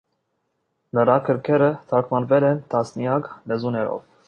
Նրա գրքերը թարգմանվել են տասնյակ լեզուներով։